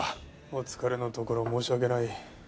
お疲れのところ申し訳ない。